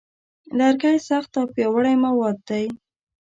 لرګی سخت او پیاوړی مواد دی.